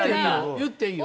言っていいよ